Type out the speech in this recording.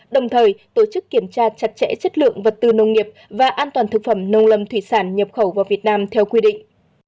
đồng thời tổ chức kiểm tra chặt chẽ chất lượng vật tư nông nghiệp và an toàn thực phẩm nông lâm thủy sản nhập khẩu vào việt nam theo quy định